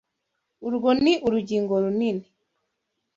Urwo ni urugingo runini.